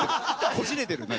こじれてるな。